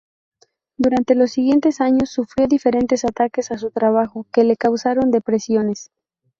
Durante los siguientes años, sufrió diferentes ataques a su trabajo que le causaron depresiones.